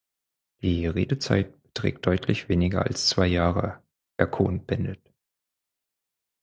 Die Redezeit beträgt deutlich weniger als zwei Jahre, Herr Cohn-Bendit.